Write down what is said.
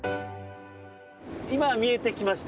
今、見えてきました。